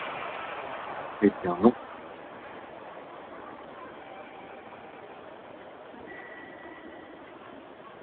Eh bien non